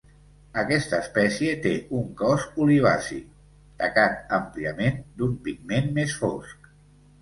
Aquesta espècie té un cos olivaci, tacat àmpliament d'un pigment més fosc.